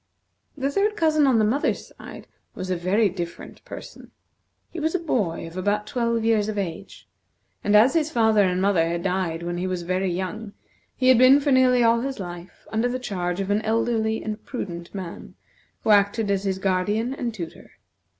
The third cousin on the mother's side was a very different person. He was a boy of about twelve years of age; and as his father and mother had died when he was very young, he had been for nearly all his life under the charge of an elderly and prudent man, who acted as his guardian and tutor.